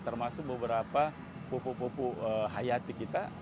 termasuk beberapa popok popok hayati kita